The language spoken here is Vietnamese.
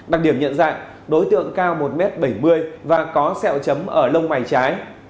đặc điểm nhận dạng đối tượng cao một m bảy mươi và có sẹo chấm ở lông mày trái